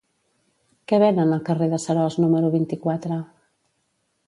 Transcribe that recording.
Què venen al carrer de Seròs número vint-i-quatre?